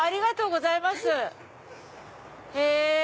へぇ。